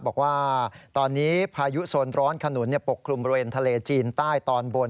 บอกว่าตอนนี้พายุโซนร้อนขนุนปกคลุมบริเวณทะเลจีนใต้ตอนบน